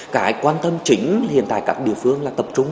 cái quan tâm chính hiện tại các địa phương là tập trung